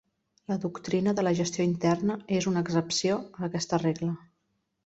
La doctrina de la gestió interna és una excepció a aquesta regla.